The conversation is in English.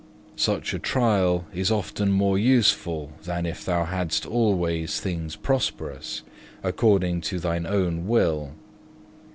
Such a trial is often more useful than if thou hadst always things prosperous according to thine own will.